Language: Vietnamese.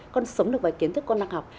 con sống được với kiến thức con đang học